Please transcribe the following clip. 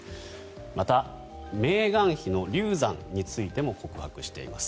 また、メーガン妃の流産についても告白しています。